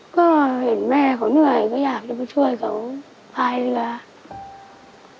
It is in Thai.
ก็เห็นแม่เขาเหนื่อยก็อยากจะไปช่วยเขาพายเรือ